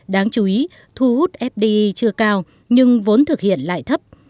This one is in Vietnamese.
đáng chú ý thu hút fdi chưa cao nhưng vốn thực hiện lại thấp